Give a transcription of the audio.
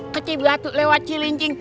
kecil batuk lewat cilincing